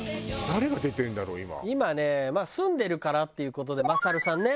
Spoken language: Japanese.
今ね住んでるからっていう事で虎上さんね。